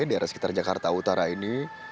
di arah sekitar jakarta utara ini